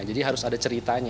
jadi harus ada yang berpengaruh